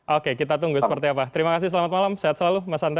oke kita tunggu seperti apa terima kasih selamat malam sehat selalu mas anta